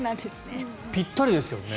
ぴったりですけどね。